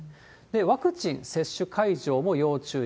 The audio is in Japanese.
ワクチン接種会場も要注意。